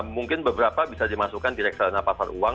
mungkin beberapa bisa dimasukkan di reksadana pasar uang